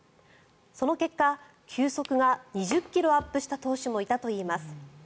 その結果、球速が２０ｋｍアップした投手もいたといいます。